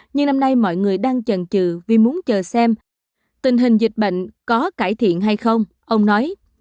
nhưng năm nay mọi người đang chần chừ vì muốn chờ xem tình hình dịch bệnh có cải thiện hay không ông nói